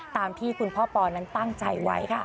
ตามที่คุณพ่อปอนั้นตั้งใจไว้ค่ะ